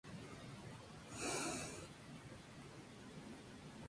En el país no se han tomado nunca estas medidas.